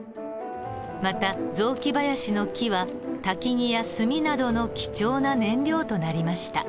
また雑木林の木はたきぎや炭などの貴重な燃料となりました。